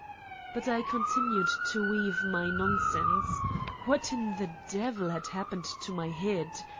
But I continued to weave my nonsense what in the devil had happened to my head